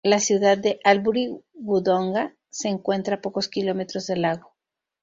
La ciudad de Albury-Wodonga se encuentra a pocos kilómetros del lago.